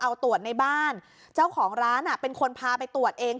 เอาตรวจในบ้านเจ้าของร้านอ่ะเป็นคนพาไปตรวจเอง